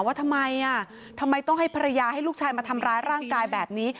ว่าทำไมทำไมต้องให้ภรรยาให้ลูกชายมาทำร้ายร่างกายแบบนี้